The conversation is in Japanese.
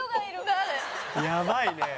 「やばいね」